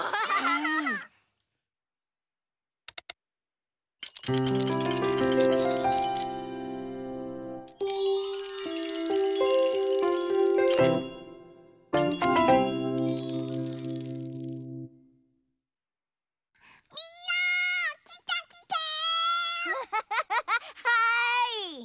はい。